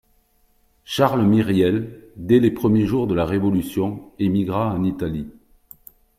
Charles Myriel, dès les premiers jours de la révolution, émigra en Italie